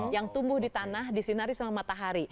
yang tumbuh di tanah disinari sama matahari